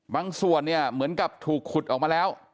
บางส่วนเนี่ยเหมือนกับถูกขุดออกมาแล้ว